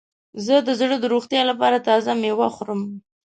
زه د زړه د روغتیا لپاره تازه میوه خورم.